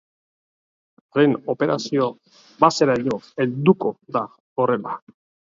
Haren operazio-baseraino helduko da horrela.